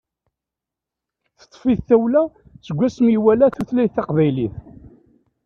Teṭṭef-it tawla seg asmi i iwala tutlayt taqbaylit.